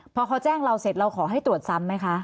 พอเขาแจ้งเราเสร็จเราขอให้ตรวจซ้ำไหมคะ